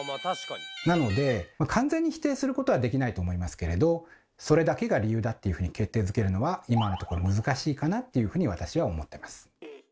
なので完全に否定することはできないと思いますけれどそれだけが理由だっていうふうに決定づけるのは今のところ難しいかなっていうふうに私は思ってます。